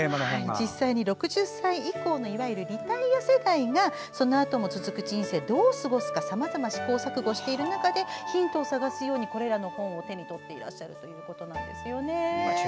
実際に６０歳以降のいわゆるリタイア世代がその後も続く人生をどう過ごすかさまざま試行錯誤している中でヒントを探すようにこれらの本を手にとっていらっしゃるんです。